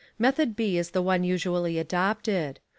Method B is the one usually adopted.